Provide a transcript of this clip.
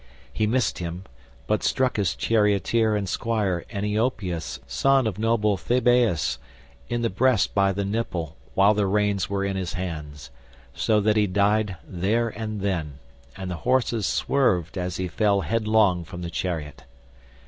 He missed him, but struck his charioteer and squire Eniopeus son of noble Thebaeus in the breast by the nipple while the reins were in his hands, so that he died there and then, and the horses swerved as he fell headlong from the chariot.